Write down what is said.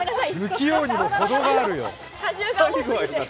不器用にもほどがあるよ。